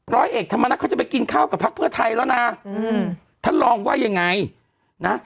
ร้อยเอกธรรมนัฐเขาจะไปกินข้าวกับพักเพื่อไทยแล้วนะอืมท่านรองว่ายังไงนะ